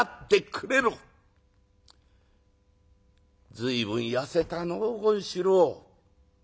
随分痩せたのう権四郎。